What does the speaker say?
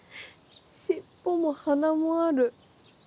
尻尾も鼻もある。